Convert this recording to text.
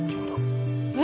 え？